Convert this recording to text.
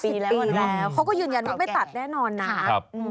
๕๐ปีแล้วเขาก็ยืนยันว่าไม่ตัดแน่นอนนะ